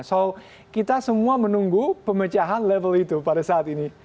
so kita semua menunggu pemecahan level itu pada saat ini